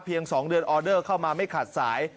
๒เดือนออเดอร์เข้ามาไม่ขาดสาย